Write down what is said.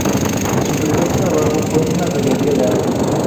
Su primer trabajo fue en una galería de arte.